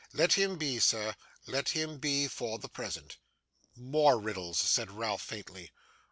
'Let him be, sir, let him be for the present.' 'More riddles!' said Ralph, faintly.